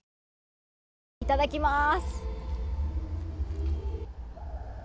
いただきます。